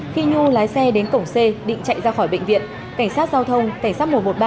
khi nhu lái xe đến cổng c định chạy ra khỏi bệnh viện cảnh sát giao thông cảnh sát một trăm một mươi ba